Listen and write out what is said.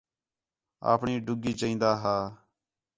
اپݨی ݙڳی چئین٘دا ہا